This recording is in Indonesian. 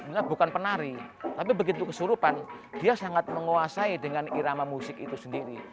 sebenarnya bukan penari tapi begitu kesurupan dia sangat menguasai dengan irama musik itu sendiri